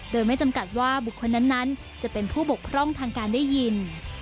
โดยไม่จำกัดว่าบุคคลนั้นจะเป็นผู้บกพร่องทางการได้ยิน